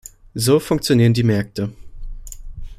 So funktionieren die Märkte.